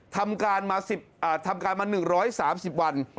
ทำการมา๑๓๐วัน